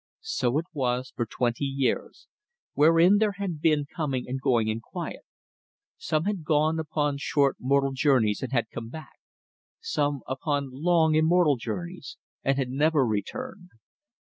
So it was for twenty years, wherein there had been going and coming in quiet. Some had gone upon short mortal journeys and had come back, some upon long immortal voyages, and had never returned.